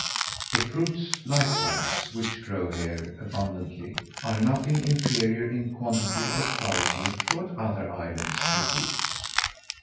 The fruits, likewise, which grow here abundantly, are nothing inferior, in quantity or quality, to what other islands produce.